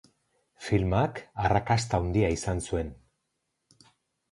Filmak arrakasta handia izan zuen.